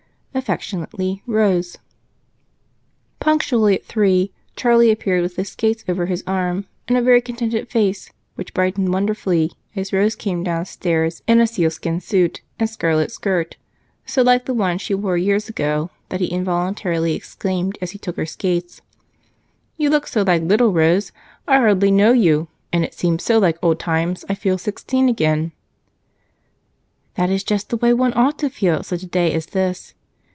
Affectionately, ROSE. Punctually at three Charlie appeared with his skates over his arm and with a very contented face, which brightened wonderfully as Rose came downstairs in a sealskin suit and scarlet skirt, so like the one she wore years ago that he involuntarily exclaimed as he took her skates: "You look so like little Rose I hardly know you, and it seems so like old times I feel sixteen again." "That is just the way one ought to feel on such a day as this.